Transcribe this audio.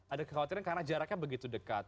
ada kekhawatiran karena jaraknya begitu dekat